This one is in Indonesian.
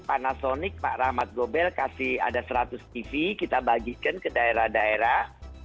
panasonic pak rahmat gobel kasih ada seratus tv kita bagikan ke daerah daerah